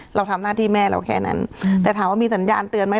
เราทำหน้าที่แม่เราแค่นั้นแต่ถามว่ามีสัญญาณเตือนไหม